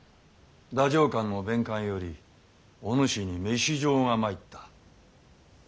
太政官の弁官よりお主に召状が参った。